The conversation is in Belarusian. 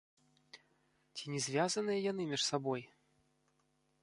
Ці не звязаныя яны між сабой?